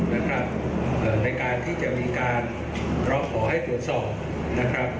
นะครับเอ่อในการที่จะมีการเราขอให้ตรวจสอบนะครับ